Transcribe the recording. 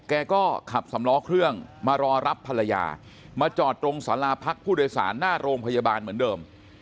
ก็ขับสำล้อเครื่องมารอรับภรรยามาจอดตรงสาราพักผู้โดยสารหน้าโรงพยาบาลเหมือนเดิม